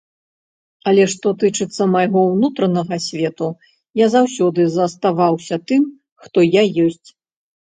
Але што тычыцца майго ўнутранага свету, я заўсёды заставаўся тым, хто я ёсць.